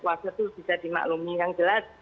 puasa itu bisa dimaklumi yang jelas